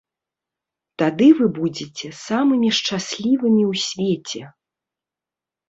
Тады вы будзеце самымі шчаслівымі ў свеце!